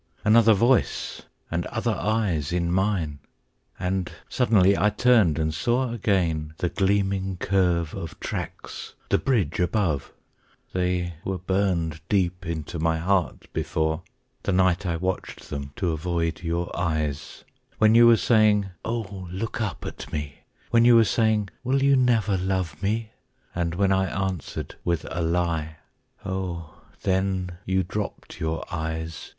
Another voice and other eyes in mine! And suddenly I turned and saw again The gleaming curve of tracks, the bridge above They were burned deep into my heart before, The night I watched them to avoid your eyes, When you were saying, "Oh, look up at me!" When you were saying, "Will you never love me?" And when I answered with a lie. Oh then You dropped your eyes.